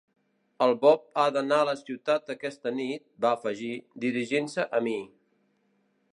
"El Bob ha d'anar a la ciutat aquesta nit", va afegir, dirigint-se a mi.